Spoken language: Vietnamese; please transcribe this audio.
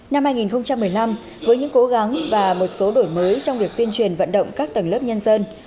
năm hai nghìn một mươi năm với những cố gắng và một số đổi mới trong việc tuyên truyền vận động các tầng lớp nhân dân